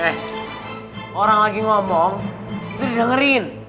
eh orang lagi ngomong itu didengerin